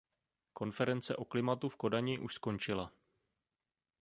Konference o klimatu v Kodani už skončila.